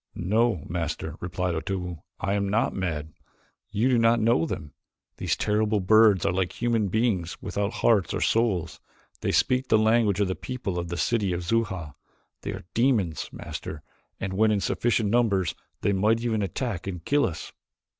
"No, Master," replied Otobu. "I am not mad. You do not know them. These terrible birds are like human beings without hearts or souls. They speak the language of the people of this city of Xuja. They are demons, Master, and when in sufficient numbers they might even attack and kill us."